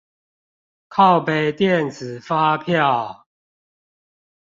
靠北電子發票